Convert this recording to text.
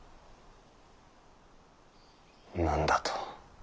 何だと？